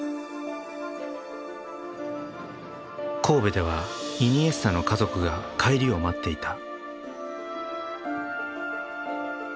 神戸ではイニエスタの家族が帰りを待っていた。